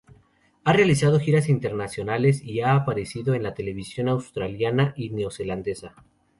Ha realizado giras internacionales y ha aparecido en la televisión australiana y neozelandesa.